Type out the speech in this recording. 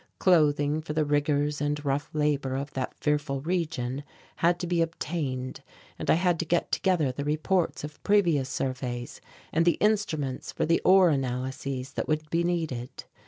Clothing for the rigours and rough labour of that fearful region had to be obtained and I had to get together the reports of previous surveys and the instruments for the ore analyses that would be needed.